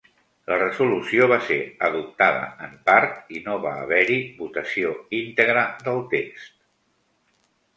La resolució va ser adoptada en part, i no va haver-hi votació íntegra del text.